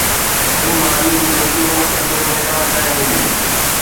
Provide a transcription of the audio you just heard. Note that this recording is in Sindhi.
۽ ماضي جون غلطيون مستقبل ۾ نه ورجايون وينديون.